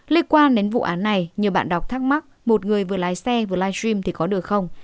liên quan đến vụ án này nhiều bạn đọc thắc mắc một người vừa lái xe vừa livestream thì có được không